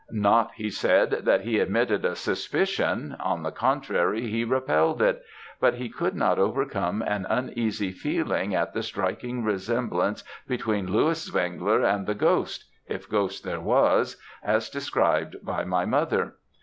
'Not,' he said, 'that he admitted a suspicion; on the contrary, he repelled it; but he could not overcome an uneasy feeling at the striking resemblance between Louis Zwengler and the ghost (if ghost there was), as described by my mother.